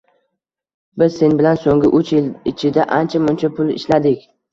Biz sen bilan so`nggi uch yil ichida ancha-muncha pul ishladik